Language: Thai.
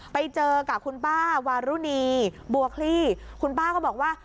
ไปเจอกับคุณป้าวารุณีบัวคลี่คุณป้าก็บอกว่า